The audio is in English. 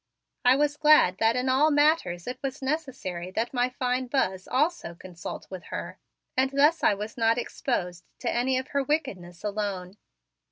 I was glad that in all matters it was necessary that my fine Buzz also consult with her and thus I was not exposed to any of her wickedness alone.